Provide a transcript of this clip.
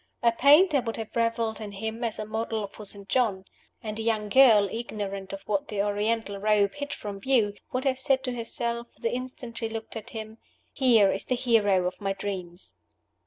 A painter would have reveled in him as a model for St. John. And a young girl, ignorant of what the Oriental robe hid from view, would have said to herself, the instant she looked at him, "Here is the hero of my dreams!"